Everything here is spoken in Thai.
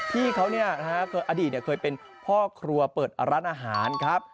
พี่เขาเนี่ยนะฮะอดีตเนี่ยเคยเป็นพ่อครัวเปิดร้านอาหารครับ